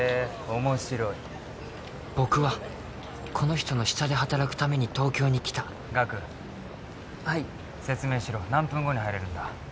面白い僕はこの人の下で働くために東京に来た岳はい説明しろ何分後に入れるんだ？